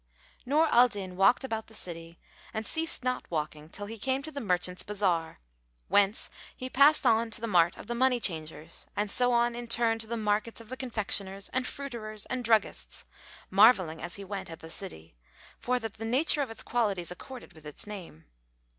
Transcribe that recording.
Nur al Din walked about the city and ceased not walking till he came to the merchants' bazar, whence he passed on to the mart of the money changers and so on in turn to the markets of the confectioners and fruiterers and druggists, marvelling, as he went, at the city, for that the nature of its qualities accorded with its name.